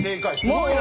すごいな！